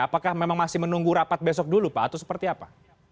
apakah memang masih menunggu rapat besok dulu pak atau seperti apa